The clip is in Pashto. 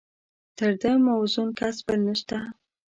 تر ده موزون کس بل نشته.